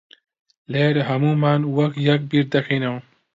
لێرە ھەموومان وەک یەک بیردەکەینەوە.